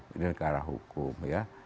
ini adalah kearah hukum